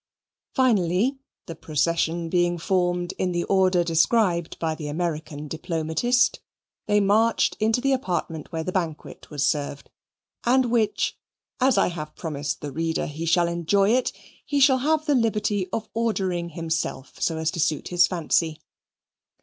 Finally, the procession being formed in the order described by the American diplomatist, they marched into the apartment where the banquet was served, and which, as I have promised the reader he shall enjoy it, he shall have the liberty of ordering himself so as to suit his fancy.